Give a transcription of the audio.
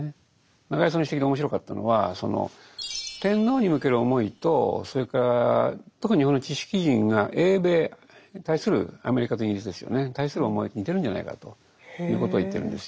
中井さんの指摘で面白かったのはその天皇に向ける思いとそれから特に日本の知識人が英米に対するアメリカとイギリスですよね対する思いと似てるんじゃないかということを言ってるんですよ。